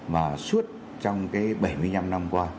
mà suốt trong cái bảy mươi năm năm qua